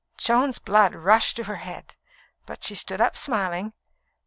Joan's blood rushed to her head, but she stood up smiling.